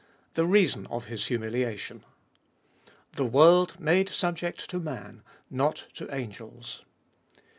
The reason of His humiliation. XI. THE WORLD MADE SUBJECT TO MAN, NOT TO ANGELS.